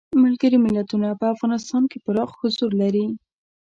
ملګري ملتونه په افغانستان کې پراخ حضور لري.